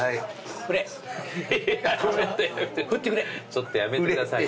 ちょっとやめてください。